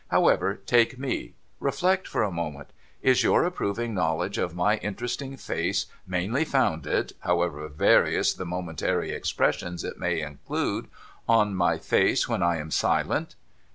' However, take me. Reflect for a moment. Is your approving knowledge of my interesting face mainly founded (however various the momentary expressions it may include) on my face when I am silent